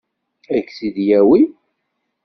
Ad k-tt-id-yawi?